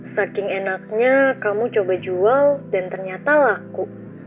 saking enaknya kamu coba jual dan ternyata laku